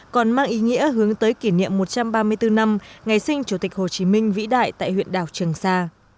còn mang ý nghĩa hướng tới kỷ niệm một trăm ba mươi bốn năm ngày sinh chủ tịch hồ chí minh vĩ đại tại huyện đảo trường sa